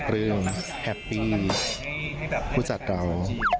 คือแฮปปี้ผู้จัดเรา